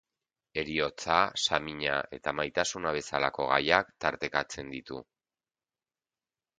Heriotza, samina eta maitasuna bezalako gaiak tartekatzen ditu.